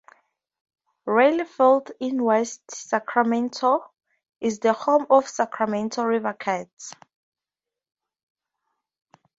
Raley Field in West Sacramento is the home of Sacramento River Cats.